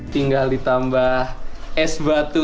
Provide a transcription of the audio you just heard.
tinggal ditambah es batu